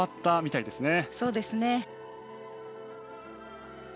そうですね。